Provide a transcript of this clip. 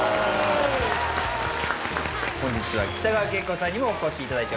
本日は北川景子さんにもお越しいただいております。